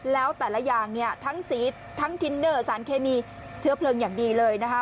แล้วแต่ละอย่างเนี่ยทั้งสีทั้งทินเนอร์สารเคมีเชื้อเพลิงอย่างดีเลยนะคะ